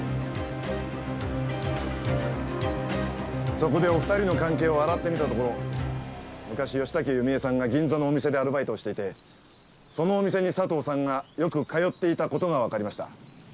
そこでお二人の関係を洗ってみたところ昔吉竹弓枝さんが銀座のお店でアルバイトをしていてそのお店に佐藤さんがよく通っていた事がわかりました。